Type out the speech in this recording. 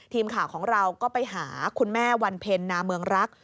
ทีมข่าวของเราก็ไปหาคุณแม่วันเพ็ญนาเมืองรัก